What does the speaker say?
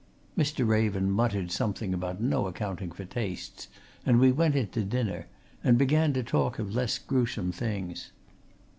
Mr. Raven muttered something about no accounting for tastes, and we went in to dinner, and began to talk of less gruesome things.